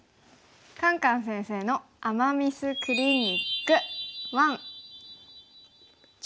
「カンカン先生の“アマ・ミス”クリニック１」。